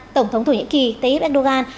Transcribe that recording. tổng thống thổ nhĩ kỳ tayyip erdogan